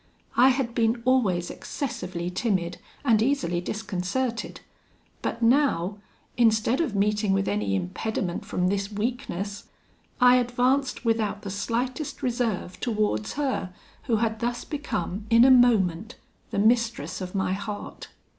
I had been always excessively timid, and easily disconcerted; but now, instead of meeting with any impediment from this weakness, I advanced without the slightest reserve towards her, who had thus become, in a moment, the mistress of my heart.